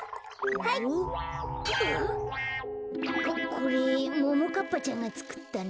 これももかっぱちゃんがつくったの？